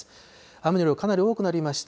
雨の量、かなり多くなりました。